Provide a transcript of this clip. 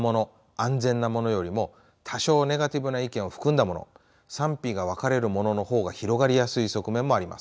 安全なものよりも多少ネガティブな意見を含んだもの賛否が分かれるものの方が広がりやすい側面もあります。